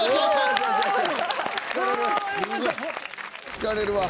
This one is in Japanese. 疲れるわ。